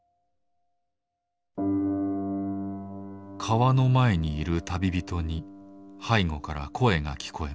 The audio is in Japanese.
「川の前にいる旅人に背後から声が聞こえます。